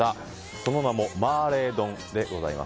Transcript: その名もマーレー丼。